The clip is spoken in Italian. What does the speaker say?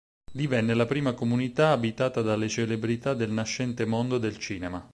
Divenne la prima comunità abitata dalle celebrità del nascente mondo del cinema.